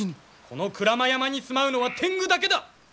この鞍馬山に住まうのは天狗だけだ！